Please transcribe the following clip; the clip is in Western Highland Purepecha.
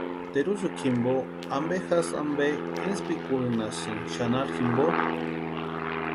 ¿Teruxukwa jimpo ampe jasï ampe insïpikwarhinhasïni xanharu jimpo?